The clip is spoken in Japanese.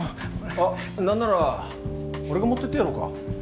あっなんなら俺が持っていってやろうか？